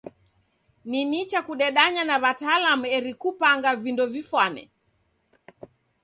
Ni nicha kudedanya na w'atalamu eri kupanga vindo vifwane.